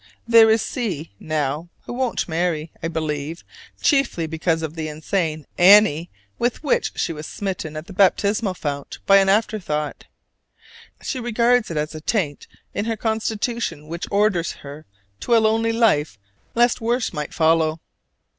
There is C , now, who won't marry, I believe, chiefly because of the insane "Annie" with which she was smitten at the baptismal font by an afterthought. She regards it as a taint in her constitution which orders her to a lonely life lest worse might follow.